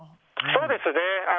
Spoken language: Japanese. そうです。